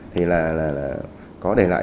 thì là có để lại